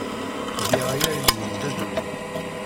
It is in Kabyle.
Giɣ aya i lmendad-nwen.